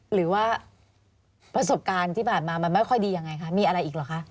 หรือว่าประสบการณ์ที่ผ่านมามันไม่ค่อยดียังไงคะมีอะไรอีกเหรอคะ